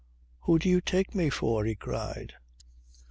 "Who do you take me for?" he cried.